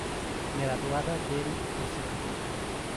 Graduada del St.